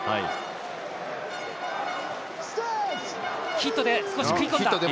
ヒットで少し食い込んだ。